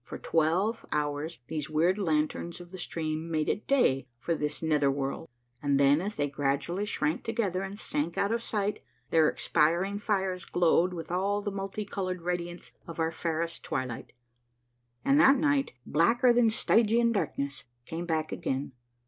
For twelve houm these weird lanterns of the stream made it day for this nether world, and then, as they gradually shrank together and sank out of sight, their expiring fires glowed with all the multi colored radiance of our fairest twilight, and the night, blacker than Stygian darkness, came back again.